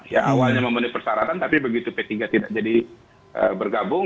ya awalnya memenuhi persyaratan tapi begitu p tiga tidak jadi bergabung